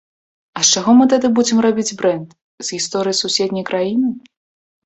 А з чаго мы тады будзем рабіць брэнд, з гісторыі суседняй краіны?